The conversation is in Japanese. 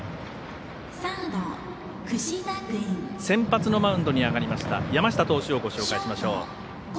先発のマウンドに上がりました山下投手をご紹介しましょう。